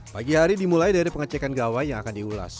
pagi hari dimulai dari pengecekan gawai yang akan diulas